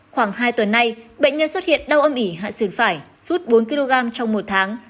khoảng hai tuần nay bệnh nhân xuất hiện đau âm ỉ hạ sườn phải suốt bốn kg trong một tháng